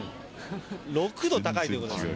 ６度高いということです。